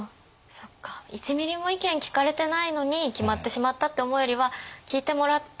そっか１ミリも意見聞かれてないのに決まってしまったって思うよりは聞いてもらって